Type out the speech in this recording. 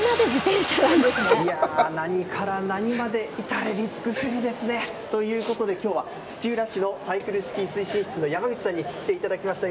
いやぁ、何から何まで至れり尽くせりですね。ということで、きょうは、土浦市のサイクルシティ推進室の山口さんに来ていただきました。